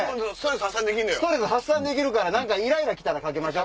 ストレス発散できるからイライラ来たらかけましょ。